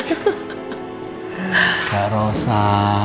ya kak rosa